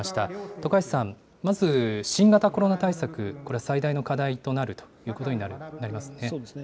徳橋さん、まず新型コロナ対策、これは最大の課題となるというこそうですね。